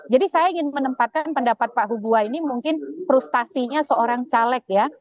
jadi saya ingin menempatkan pendapat pak hugua ini mungkin frustasinya seorang caleg ya